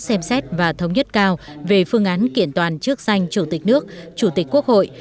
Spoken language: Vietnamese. xem xét và thống nhất cao về phương án kiện toàn trước danh chủ tịch nước chủ tịch quốc hội